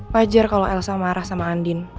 wajar kalau elsa marah sama andin